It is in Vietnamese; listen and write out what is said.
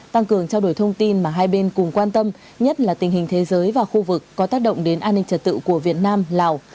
tăng cường trao đổi thông tin mà hai bên cùng quan tâm nhất là tình hình thế giới và khu vực có tác động đến an ninh trật tự của việt nam lào